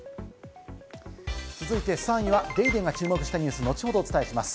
続いて３位は『ＤａｙＤａｙ．』が注目したニュース、後ほどお伝えします。